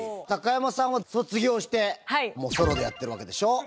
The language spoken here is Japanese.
高山さんは卒業してもうソロでやってるわけでしょ。